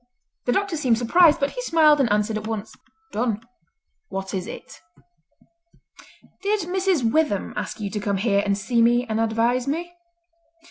The doctor seemed surprised, but he smiled and answered at once, "Done! What is it?" "Did Mrs. Witham ask you to come here and see me and advise me?"